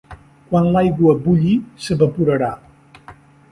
Quan l'aigua bulli s'evaporarà.